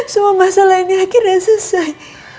semua masalah ini akhirnya selesai